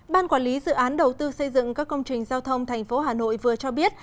ban quản lý dự án đầu tư xây dựng các công trình giao thông thành phố hà nội vừa cho biết